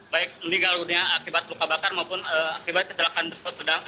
baik meninggal dunia akibat luka bakar maupun akibat kecelakaan tersebut